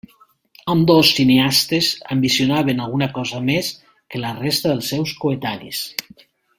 Ambdós cineastes ambicionaven alguna cosa més que la resta dels seus coetanis.